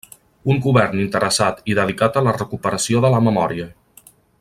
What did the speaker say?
Un govern interessat i dedicat a la recuperació de la memòria.